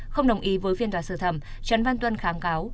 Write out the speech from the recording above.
không đồng ý với phiên tòa sơ thẩm trần văn tuân kháng cáo